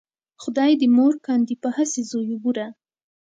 خدای دې مور کاندې په هسې زویو بوره